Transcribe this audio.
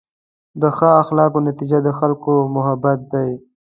د ښه اخلاقو نتیجه د خلکو محبت دی.